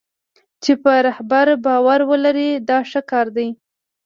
چې په رهبر باور ولري دا ښه کار دی.